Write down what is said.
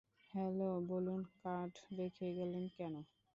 Hello, বলুন, card রেখে গেলেন কেন?